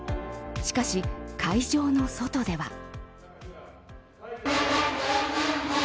しかし、会場の外では。